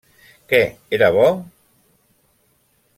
Que era bo?